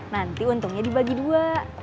nanti untungnya dibagi dua